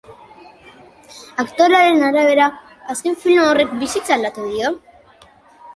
Aktorearen arabera, azken film horrek bizitza aldatu dio.